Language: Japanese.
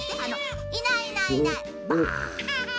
「いないいないいないばあ」。